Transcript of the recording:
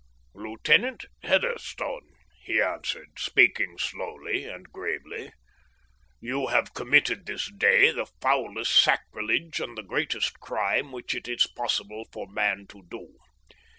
"Lieutenant Heatherstone," he answered, speaking slowly and gravely, "you have committed this day the foulest sacrilege and the greatest crime which it is possible for man to do.